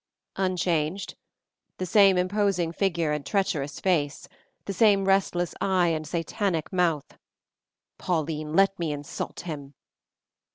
"Unchanged: the same imposing figure and treacherous face, the same restless eye and satanic mouth. Pauline, let me insult him!"